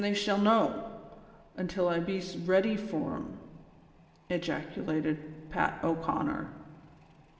149 they shall know, until I bees reddy fur 'em," ejaculated Pat O 'Conner.